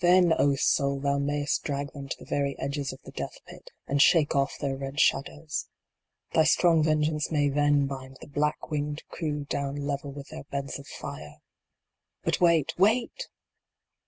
Then, O Soul ! thou mayst drag them to the very edges of the Death pit, and shake off their red shadows ! Thy strong vengeance may then bind the black winged crew down level with their beds of fire I VII. But wait, wait